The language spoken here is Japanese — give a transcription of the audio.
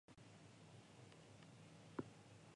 大容量のモバイルバッテリー